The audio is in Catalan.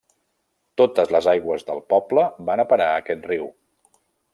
Totes les aigües del poble van a parar a aquest riu.